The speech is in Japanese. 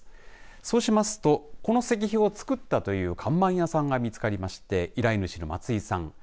そうしますと、この石碑を造ったという看板屋さんが見つかりまして依頼主の松井さん